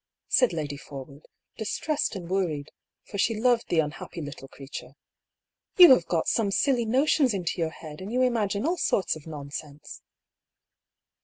said Lady Forwood, distressed and worried, for she loved the unhappy little creature. " You have got some silly notions into your head, and you imagine all sorts of nonsense."